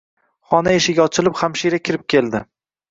Xona eshigi ochilib hamshira kirib keldi.